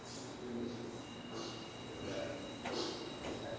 Los adultos son comestibles para las aves.